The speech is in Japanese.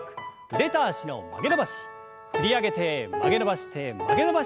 振り上げて曲げ伸ばして曲げ伸ばして振り下ろす。